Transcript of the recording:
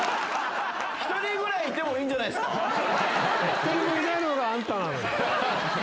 一人もいないのがあんたなのよ。